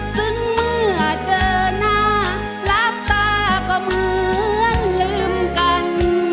ซึ่งเมื่อเจอหน้าลับตาก็เหมือนลืมกัน